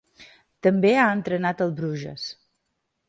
També ha entrenat al Bruges.